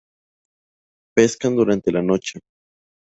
Pescan durante la noche.